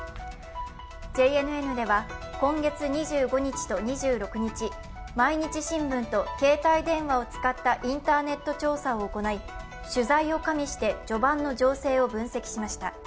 ＪＮＮでは今月２５日と２６日、毎日新聞と携帯電話を使ったインターネット調査を行い、取材を加味して序盤を分析しました。